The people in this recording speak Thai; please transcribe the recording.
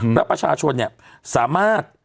เพราะประชาชนสามารถ